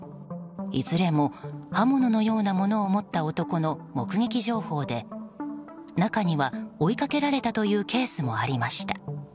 いずれも刃物のようなものを持った男の目撃情報で中には追いかけられたというケースもありました。